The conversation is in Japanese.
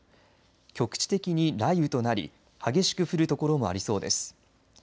局地的に雷雨となり激しく降るところもありそうです。